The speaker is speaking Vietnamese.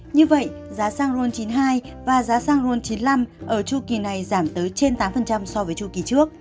như vậy giá xăng ron chín mươi hai và giá xăng ron chín mươi năm ở chu kỳ này giảm tới trên tám so với chu kỳ trước